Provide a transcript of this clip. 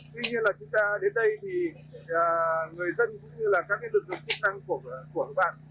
tuy nhiên là chúng ta đến đây thì người dân cũng như là các lực lượng chức năng của các bạn